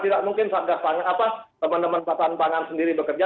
tidak mungkin sahgas pangan apa teman teman sahgas pangan sendiri bekerja